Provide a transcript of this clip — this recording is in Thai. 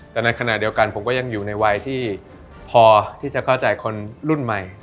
แต่ในขณะเดียวกันผมก็ยังอยู่ในวัยที่พอที่จะเข้าใจคนรุ่นใหม่